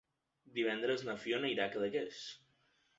Divendres na Fiona irà a Cadaqués.